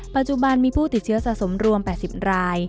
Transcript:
ปัจจุบันมีผู้ติดเชื้อสะสมรวม๘๐ราย